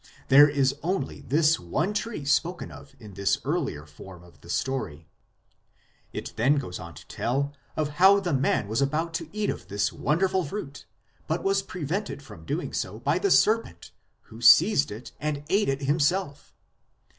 There is only thia one tree spoken of in this earlier form of the story. It then goes on to tell of how the man was about to eat of this wonderful fruit, but was prevented from doing so by the serpent, who seized it and ate it himself.